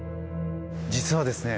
実はですね